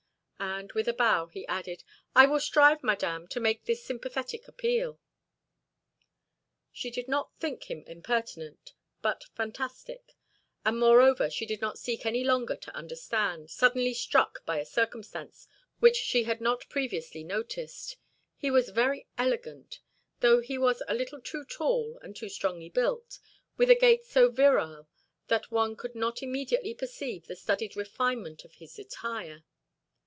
And, with a bow, he added: "I will strive, Madame, to make this sympathetic appeal." She did not think him impertinent, but fantastic; and moreover she did not seek any longer to understand, suddenly struck by a circumstance which she had not previously noticed: he was very elegant, though he was a little too tall and too strongly built, with a gait so virile that one could not immediately perceive the studied refinement of his attire.